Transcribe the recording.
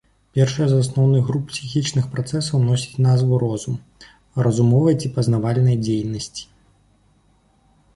Першая з асноўных груп псіхічных працэсаў носіць назву розум, разумовай ці пазнавальнай дзейнасці.